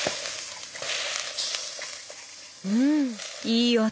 うんいい音！